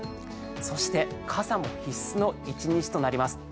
そして傘も必須の１日となります。